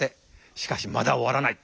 しかしまだ終わらない。